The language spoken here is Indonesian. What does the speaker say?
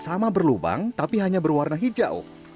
sama berlubang tapi hanya berwarna hijau